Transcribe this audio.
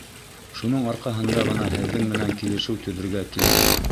Шуның арҡаһында ғына һеҙҙең менән килешеү төҙөргә килдем.